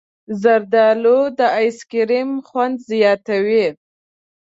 زردالو د ایسکریم خوند زیاتوي.